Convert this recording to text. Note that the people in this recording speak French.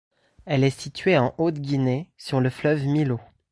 Elle est située en Haute-Guinée sur le fleuve Milo.